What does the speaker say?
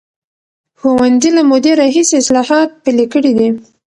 ښوونځي له مودې راهیسې اصلاحات پلي کړي دي.